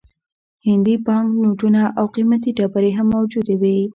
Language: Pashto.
هندي بانک نوټونه او قیمتي ډبرې هم موجودې وې.